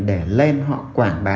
để lên họ quảng bá